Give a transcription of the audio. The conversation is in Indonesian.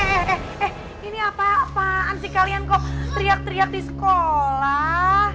hehehe ini apa apaan sih kalian kok teriak teriak di sekolah